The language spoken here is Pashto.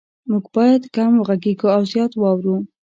مونږ باید کم وغږیږو او زیات واورو